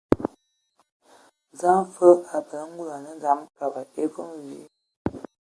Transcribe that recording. Səm fə anə mod abələ ngul atɔbɔ e vom ayi.